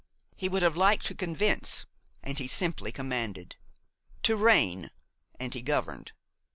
He would have liked to convince and he simply commanded; to reign, and he governed.